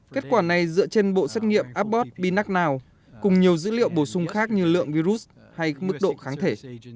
kết quả này dựa trên bộ xét nghiệm abbott pinac nau cùng nhiều dữ liệu bổ sung khác như lượng virus hay mức độ kháng thể